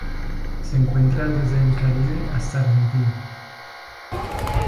Se encuentra desde el Caribe hasta Argentina.